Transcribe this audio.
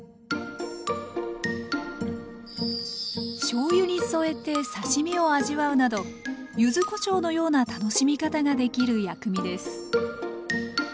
しょうゆに添えて刺身を味わうなどゆずこしょうのような楽しみ方ができる薬味です